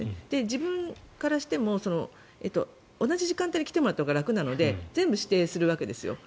自分からしても同じ時間帯で来てもらったほうが楽なので全部指定するわけですよ。